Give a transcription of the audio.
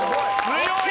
強い！